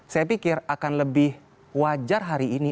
saya pikir akan lebih wajar hari ini